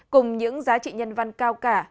cùng những giá trị nhân văn cao cả